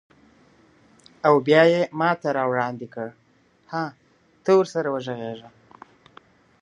او بیا یې ماته راوړاندې کړ: هه، ته ورسره وغږیږه.